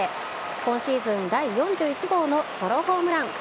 今シーズン第４１号のソロホームラン。